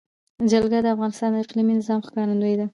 جلګه د افغانستان د اقلیمي نظام ښکارندوی ده.